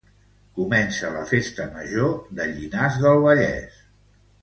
Comença la Festa Major de Llinars del Vallès